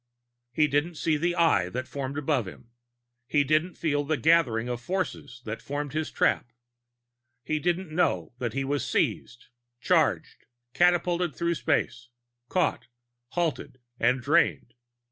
He didn't see the Eye that formed above him. He didn't feel the gathering of forces that formed his trap. He didn't know that he was seized, charged, catapulted through space, caught, halted and drained.